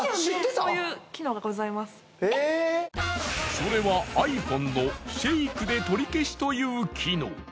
それはｉＰｈｏｎｅのシェイクで取り消しという機能。